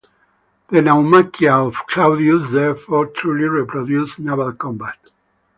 The naumachia of Claudius therefore truly reproduced naval combat.